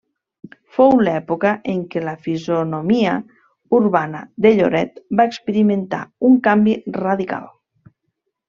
Fou l'època en què la fisonomia urbana de Lloret va experimentar un canvi radical.